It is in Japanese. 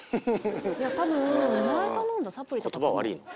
多分前頼んだサプリとかかも。